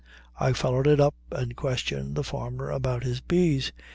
I followed it up and questioned the farmer about his bees.